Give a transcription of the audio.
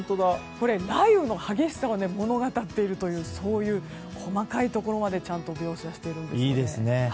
これ、雷雨の激しさを物語っているという細かいところまでちゃんと描写しているんです。